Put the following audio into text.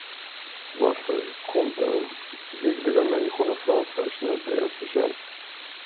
Varför kommer de hyggliga människorna fram först när det är för sent?